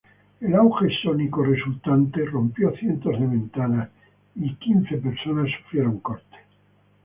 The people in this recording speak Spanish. El auge sónico resultante rompió cientos de ventanas y quince personas sufrieron cortes.